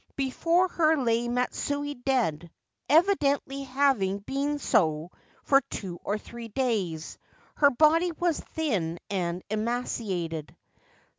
Before her lay Matsue dead, evidently having been so for two or three days ; her body was thin and emaciated.